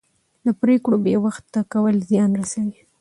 د پرېکړو بې وخته کول زیان رسوي